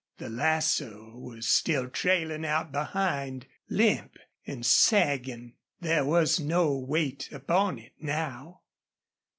The lasso was still trailing out behind, limp and sagging. There was no weight upon it now.